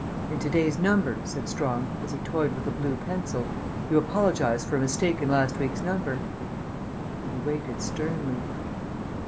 "In to day's number," said Strong, as he toyed with a blue pencil, "you apologize for a mistake in last week's number." He waited sternly.